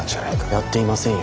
やっていませんよ。